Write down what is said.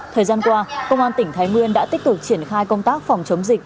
thời gian qua công an tỉnh thái nguyên đã tích cực triển khai công tác phòng chống dịch